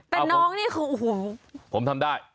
แต่น้องนี่ผมทำได้